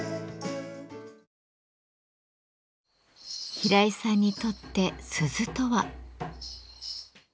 平井さんにとって鈴とは。